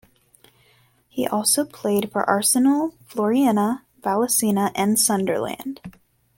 He also played for Arsenal, Fiorentina, Valencia and Sunderland.